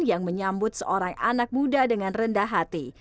yang menyambut seorang anak muda dengan rendah hati